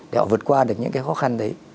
để họ vượt qua được những cái khó khăn đấy